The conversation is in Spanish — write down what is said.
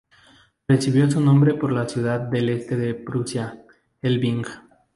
Recibió su nombre por la ciudad del este de Prusia Elbing.